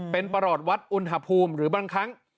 เป็นประหลอดวัดอุณหภูมิหรือบางครั้ง